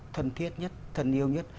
thân thiết nhất thân yêu nhất